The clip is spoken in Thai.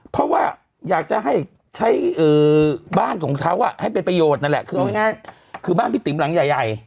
เพราะว่าอยากจะให้ใช้บ้างของเขาอ่ะให้เป็นประโยชน์นั่นแหละคือบ้างพี่ติ๊มหลังใหญ่